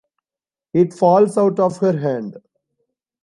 It falls out of her hand.